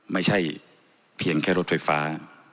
ไม่ใช่เพียงแค่รถไฟฟ้า